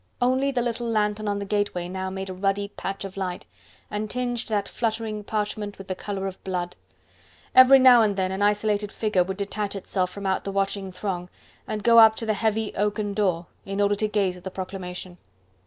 Only the little lantern on the gateway now made a ruddy patch of light, and tinged that fluttering parchment with the colour of blood. Every now and then an isolated figure would detach itself from out the watching throng, and go up to the heavy, oaken door, in order to gaze at the proclamation.